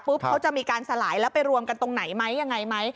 เขาจะมีการสลายแล้วไปรวมกันตรงไหนไหมยังไงไหม